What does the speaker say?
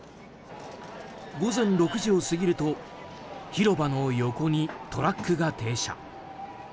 午前６時を過ぎると広場の横にトラックが停車。